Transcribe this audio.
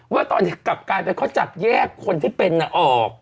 ว่าตอนนี้กลับการแล้วเขาจับแยกคนที่เป็นอ่ะออก